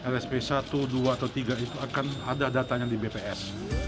lsp satu dua atau tiga itu akan ada datanya di bps